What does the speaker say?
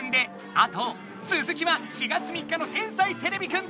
あとつづきは４月３日の「天才てれびくん」で！